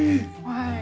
はい。